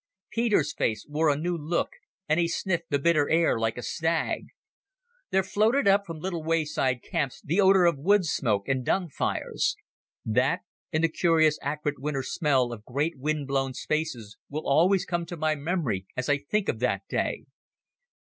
Peter's face wore a new look, and he sniffed the bitter air like a stag. There floated up from little wayside camps the odour of wood smoke and dung fires. That, and the curious acrid winter smell of great wind blown spaces, will always come to my memory as I think of that day.